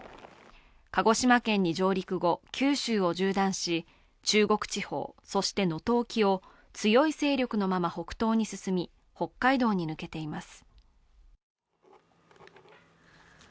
鹿児島県に上陸後、九州を縦断し、中国地方、そして能登沖を強い勢力のまま北東に進み、北海道に抜けています。